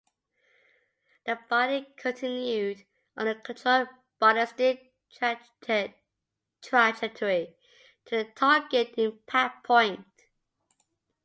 The body continued on a controlled ballistic trajectory to the target impact point.